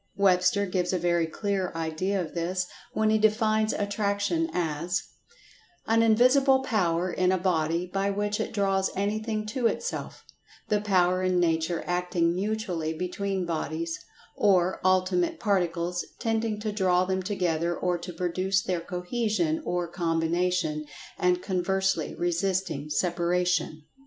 Webster gives a very clear idea of this when he defines Attraction as: "An invisible power in a body by which it draws anything to itself; the power in nature acting mutually between bodies, or ultimate particles, tending to draw them together, or to produce their cohesion or combination, and conversely resisting separation."